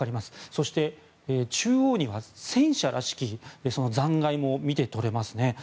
そして、中央には戦車らしき残骸も見てとれますね。